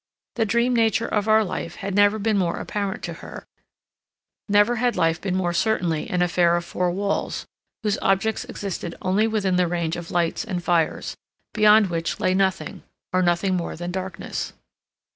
The dream nature of our life had never been more apparent to her, never had life been more certainly an affair of four walls, whose objects existed only within the range of lights and fires, beyond which lay nothing, or nothing more than darkness.